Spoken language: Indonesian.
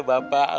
terima kasih pak